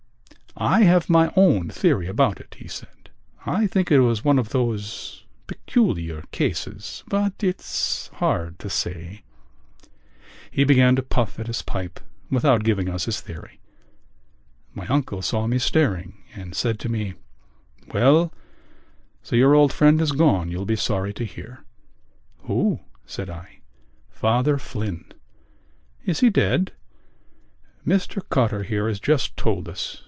"I have my own theory about it," he said. "I think it was one of those ... peculiar cases.... But it's hard to say...." He began to puff again at his pipe without giving us his theory. My uncle saw me staring and said to me: "Well, so your old friend is gone, you'll be sorry to hear." "Who?" said I. "Father Flynn." "Is he dead?" "Mr Cotter here has just told us.